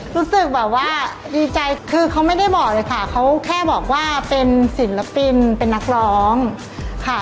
รู้สึกแบบว่าดีใจคือเขาไม่ได้บอกเลยค่ะเขาแค่บอกว่าเป็นศิลปินเป็นนักร้องค่ะ